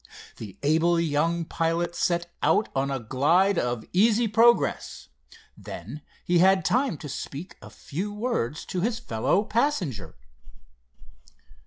The able young pilot set out on a glide of easy progress. Then he had time to speak a few words to his fellow passenger.